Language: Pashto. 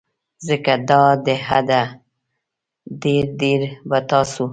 ځکه دا د حده ډیر ډیر به تاسو